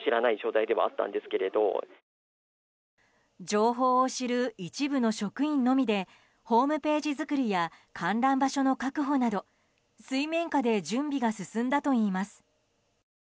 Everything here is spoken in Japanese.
情報を知る一部の職員のみでホームページづくりや観覧場所の確保など水面下で準備が進んだといいます。